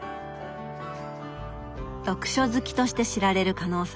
読書好きとして知られる加納さん。